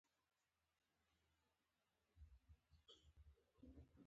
يو ځل راته بیا وخانده په شونډو سرو